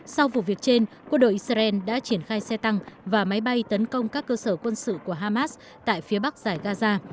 sau vụ việc trên quân đội israel đã triển khai xe tăng và máy bay tấn công các cơ sở quân sự của hamas tại phía bắc giải gaza